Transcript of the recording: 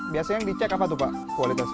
biasanya yang dicek apa tuh pak kualitasnya